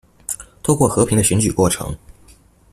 透過和平的選舉過程